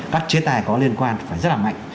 các chế tài có liên quan phải rất là mạnh